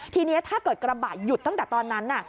ทีนี้ถ้าเกิดกระบะหยุดตั้งแต่ตอนนั้น